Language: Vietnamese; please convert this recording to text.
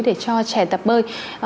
để cho trẻ tập bơi